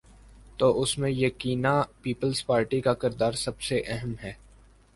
تو اس میں یقینا پیپلزپارٹی کا کردار سب سے اہم ہے۔